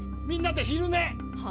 みんなで昼寝。